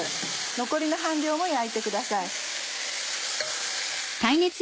残りの半量も焼いてください。